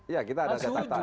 ya kita ada catatan